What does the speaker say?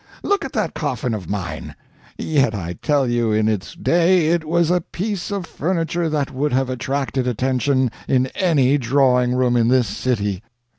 Look at that coffin of mine yet I tell you in its day it was a piece of furniture that would have attracted attention in any drawing room in this city.